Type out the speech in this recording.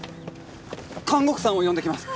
看護婦さんを呼んできます！